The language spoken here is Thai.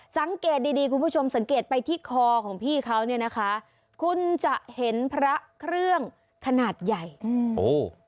สังเกตดีดีคุณผู้ชมสังเกตไปที่คอของพี่เขาเนี่ยนะคะคุณจะเห็นพระเครื่องขนาดใหญ่อืมโอ้